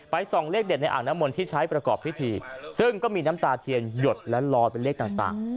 ส่องเลขเด็ดในอ่างน้ำมนต์ที่ใช้ประกอบพิธีซึ่งก็มีน้ำตาเทียนหยดและลอยเป็นเลขต่าง